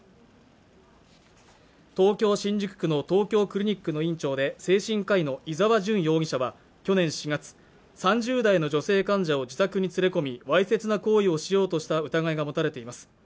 東京新宿区の東京クリニックの院長で精神科医の伊沢純容疑者は去年４月３０代の女性患者を自宅に連れ込みわいせつな行為をしようとした疑いが持たれています